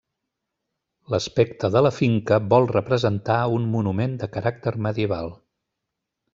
L'aspecte de la finca vol representar un monument de caràcter medieval.